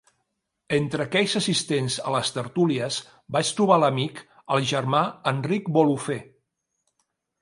Entre aquells assistents a les tertúlies, vaig trobar l'amic, el germà, Enric Bolufer.